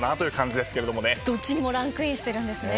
どっちにもランクインしてるんですね。